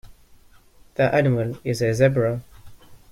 That animal is a Zebra.